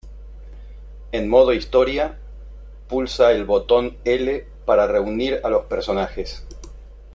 En "Modo historia", pulsa el Botón L para reunir a los personajes.